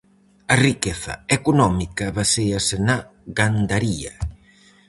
A riqueza económica baséase na gandaría.